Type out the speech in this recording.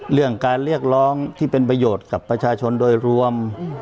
เรื่องการเรียกร้องที่เป็นประโยชน์กับประชาชนโดยรวม